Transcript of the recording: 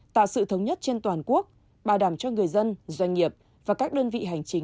tạo sự thống nhất trên toàn quốc bảo đảm cho người dân doanh nghiệp và các đơn vị hành chính